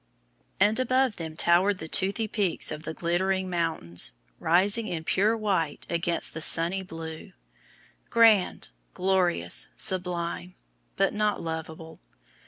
And above them towered the toothy peaks of the glittering mountains, rising in pure white against the sunny blue. Grand! glorious! sublime! but not lovable.